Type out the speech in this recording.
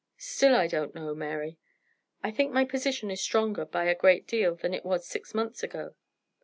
Still, I don't know, Mary. I think my position is stronger by a great deal than it was six months ago.